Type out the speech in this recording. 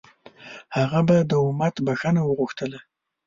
هغه به د امت بښنه غوښتله.